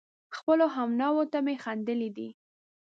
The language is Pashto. خپلو همنوعو ته مې خندلي دي